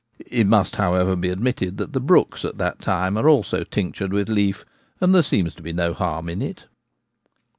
It m=s£. hc*cr r, be almTue d rMt the brooks at that time are also tEact=red wtth feat and there seems to be no harm in it.